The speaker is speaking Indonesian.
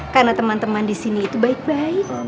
karena teman teman disini itu baik baik